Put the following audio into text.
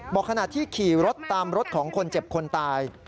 ขณะที่ขี่รถตามรถของคนเจ็บคนตาย